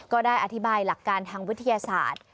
ก็ได้อธิบายหลักการทางวิทยาศาสตร์